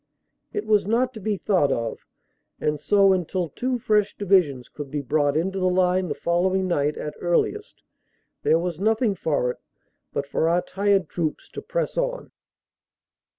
It was not to be thought of, and so until two fresh divisions could be brought into the line the following night at earliest there was noth ing for it but for our tired troops to press on.